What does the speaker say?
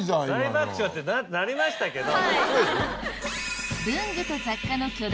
大爆笑ってなりましたけど。